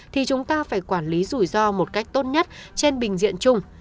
thì chúng ta phải quản lý rủi ro một cách tốt nhất trên bình diện chung